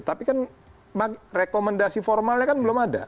tapi kan rekomendasi formalnya kan belum ada